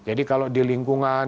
jadi kalau di lingkungan